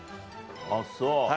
あっそう。